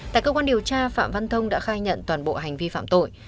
tại cơ quan điều tra phạm văn thông đã khai nhận toàn bộ hành vi phạm tội